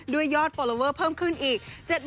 ยอดฟอลลอเวอร์เพิ่มขึ้นอีก